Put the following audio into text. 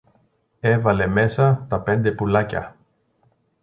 Έβαλε μέσα τα πέντε πουλάκια.